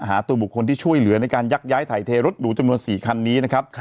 หาตัวบุคคลที่ช่วยเหลือในการยักย้ายถ่ายเทรถหรูจำนวน๔คันนี้นะครับ